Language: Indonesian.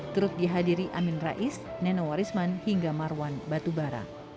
turut dihadiri amin rais nenowarisman hingga marwan batubara